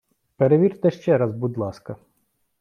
Перевірте ще раз, будь ласка!